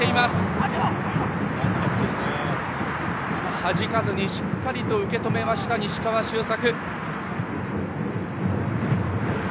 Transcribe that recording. はじかずにしっかりと受け止めました西川周作。